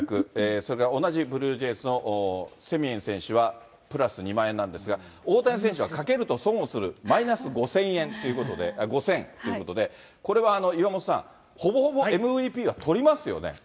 それから同じブルージェイズのセミエン選手はプラス２万円なんですが、大谷選手は賭けると損をする、マイナス５０００ということで、これは岩本さん、ほぼほぼＭＶＰは取りますよね？